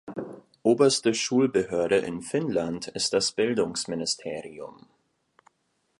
Oberste Schulbehörde in Finnland ist das Bildungsministerium.